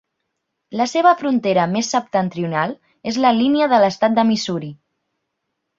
La seva frontera més septentrional és la línia de l'estat de Missouri.